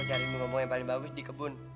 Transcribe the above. nanti aku cari mu ngomong yang paling bagus di kebun